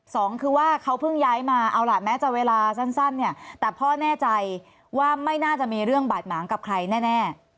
สองคือว่าเขาเพิ่งย้ายมาเอาล่ะแม้จะเวลาสั้นเนี่ยแต่พ่อแน่ใจว่าไม่น่าจะมีเรื่องบาดหมางกับใครแน่